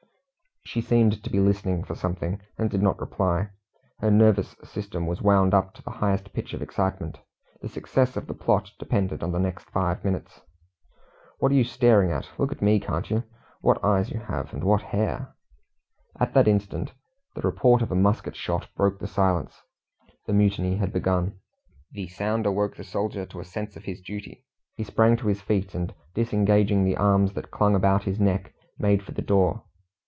She seemed to be listening for something, and did not reply. Her nervous system was wound up to the highest pitch of excitement. The success of the plot depended on the next five minutes. "What are you staring at? Look at me, can't you? What eyes you have! And what hair!" At that instant the report of a musket shot broke the silence. The mutiny had begun! The sound awoke the soldier to a sense of his duty. He sprang to his feet, and disengaging the arms that clung about his neck, made for the door.